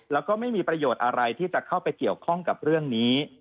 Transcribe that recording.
แล้วก็ไม่มีประโยชน์อะไรที่จะเข้าไปเกี่ยวข้องกับเรื่องนี้